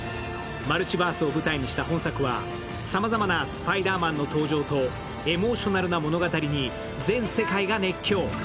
マルチバースを舞台にした本作は、さまざまなスパイダーマンの登場とエモーショナルな物語に全世界が熱狂。